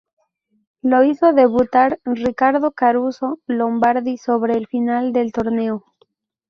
Lo hizo debutar Ricardo Caruso Lombardi sobre el final del Torneo.